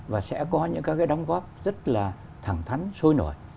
và sẽ có những các cái đóng góp rất là thẳng thắn sôi nổi